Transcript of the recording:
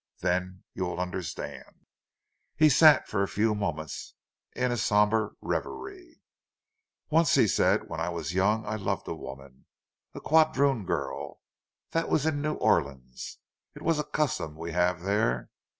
Then you will understand." He sat for a few moments, in a sombre reverie. "Once," he said, "when I was young, I loved a woman—a quadroon girl. That was in New Orleans; it is a custom we have there.